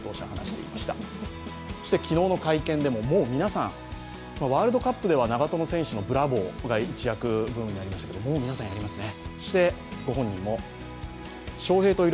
昨日の会見でも、もう皆さん、ワールドカップでは長友選手のブラボーが一躍ブームになりましたけど、もう皆さん、やりますね。